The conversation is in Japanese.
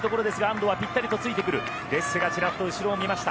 デッセがちらっと後ろを見ました。